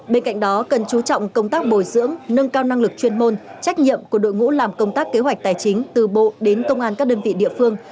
bên cạnh đó cần chú trọng công tác bồi dưỡng nâng cao năng lực chuyên môn trách nhiệm của đội ngũ làm công tác kế hoạch tài chính từ bộ đến công an các đơn vị địa phương